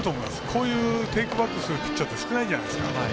こういうテイクバックするピッチャーって少ないんじゃないですか。